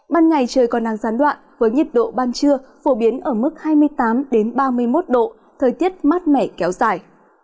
ban ngày trời còn nắng gián đoạn với nhiệt độ ban trưa phổ biến ở mức hai mươi tám ba mươi một độ thời tiết mát mẻ kéo dài